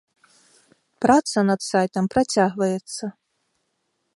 Праца над сайтам працягваецца.